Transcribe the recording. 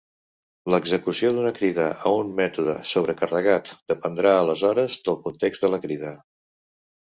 L'execució d'una crida a un mètode sobrecarregat dependrà aleshores del context de la crida.